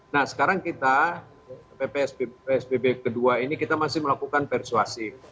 nah sekarang kita psbb kedua ini kita masih melakukan persuasi